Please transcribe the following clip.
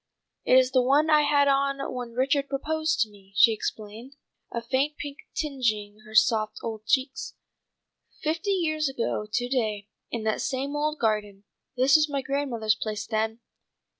"It is the one I had on when Richard proposed to me," she explained, a faint pink tingeing her soft old cheeks. "Fifty years ago to day, in that same old garden. This was my grandmother's place then.